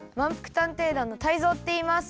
探偵団のタイゾウっていいます。